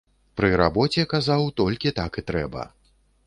Пры рабоце, казаў, толькі так і трэба.